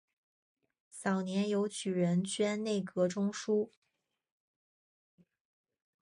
早年由举人捐内阁中书。